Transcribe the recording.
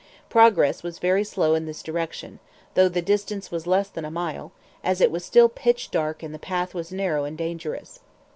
Progress was very slow in this direction, though the distance was less than a mile, as it was still pitch dark and the path was narrow and dangerous.